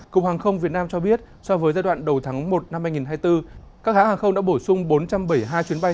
cục hàng không việt nam cho biết so với giai đoạn đầu tháng một năm hai nghìn hai mươi bốn các hãng hàng không đã bổ sung bốn trăm bảy mươi hai chuyến bay